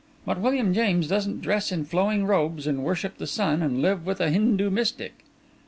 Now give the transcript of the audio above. "But William James doesn't dress in flowing robes, and worship the sun, and live with a Hindu mystic."